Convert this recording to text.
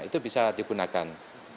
itu bisa digunakan